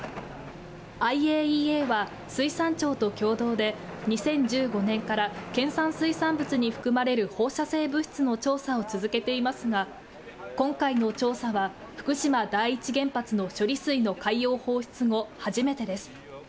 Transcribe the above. ＩＡＥＡは水産庁と共同で、２０１５年から、県産水産物に含まれる放射性物質の調査を続けていますが、今回の調査は福島第一原発の処理水の海洋放出後、初めてです。